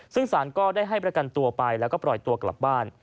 ซึ่งสารก็ได้ให้ประกันตัวไปแล้วก็ปล่อยตัวกลับบ้าน